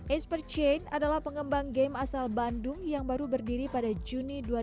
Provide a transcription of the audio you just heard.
ace per chain adalah pengembang game asal bandung yang baru berdiri pada juni dua ribu dua puluh